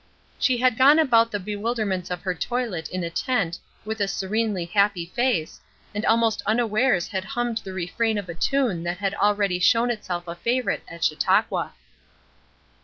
She had gone about the bewilderments of her toilet in a tent with a serenely happy face, and almost unawares had hummed the refrain of a tune that had already shown itself a favorite at Chautauqua.